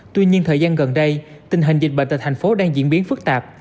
tuy nhiên thời gian gần đây tình hình dịch bệnh tại thành phố đang diễn biến phức tạp